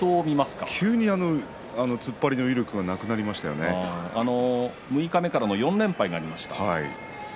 急に突っ張りの威力が六日目から４連敗がありました。